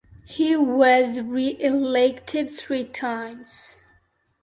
He was reelected three times.